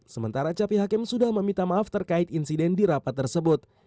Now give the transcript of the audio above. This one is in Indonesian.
sementara capi hakim sudah meminta maaf terkait insiden di rapat tersebut